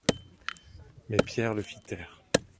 Mais Pierre le fit taire.